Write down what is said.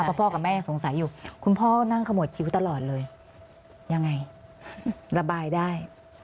เพราะพ่อกับแม่ยังสงสัยอยู่คุณพ่อนั่งขมวดชีวิตตลอดเลยยังไงระบายได้